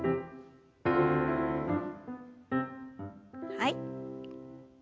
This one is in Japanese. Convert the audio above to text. はい。